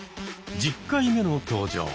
１０回目の登場。